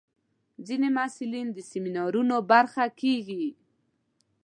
ځینې محصلین د سیمینارونو برخه کېږي.